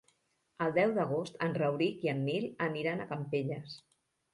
El deu d'agost en Rauric i en Nil aniran a Campelles.